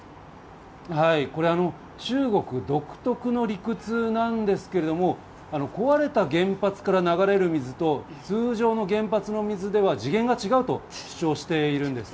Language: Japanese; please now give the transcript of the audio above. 中国独特の理屈なんですけれども、壊れた原発から流れる水と通常の原発の水では次元が違うと主張しているんです。